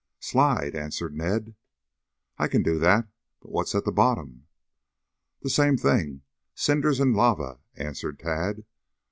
"Slide," answered Ned. "I can do that, but what's at the bottom?" "The same thing. Cinders and lava," answered Tad.